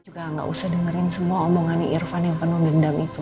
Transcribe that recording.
juga gak usah dengerin semua omongannya irfan yang penuh dendam itu